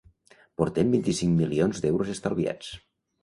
“Portem vint-i-cinc milions d’euros estalviats”.